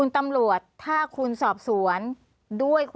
แต่ไม่ใช่เดี๋ยว